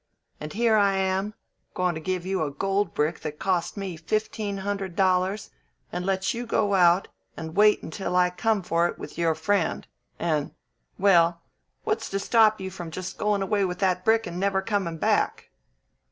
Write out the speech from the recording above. And here I am, going to give you a gold brick that cost me fifteen hundred dollars, and let you go out and wait until I come for it with your friend, and well, what's to stop you from just goin' away with that brick and never comin' back?"